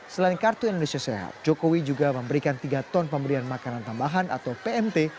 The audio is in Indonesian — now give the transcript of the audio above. selain kartu indonesia sehat jokowi juga memberikan tiga ton pemberian makanan tambahan atau pmt